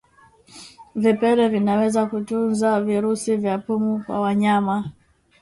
Vipele vinaweza kutunza virusi vya pumu kwa wanyama